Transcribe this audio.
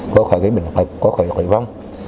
có khỏi cái bệnh có khỏi khỏi vong